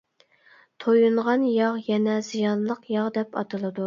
تويۇنغان ياغ يەنە «زىيانلىق» ياغ دەپ ئاتىلىدۇ.